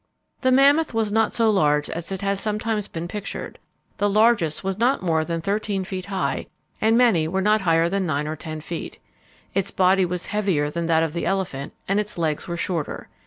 The mammoth was not so large as it has sometimes been pictured. The largest was not more than thirteen feet high, and many were not higher than nine or ten feet. Its body was heavier than that of the elephant, and its legs were shorter.